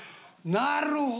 なるほど！